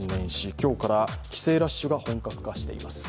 今日から帰省ラッシュが本格化しています。